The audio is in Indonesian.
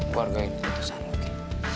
gue hargai keputusan lo ki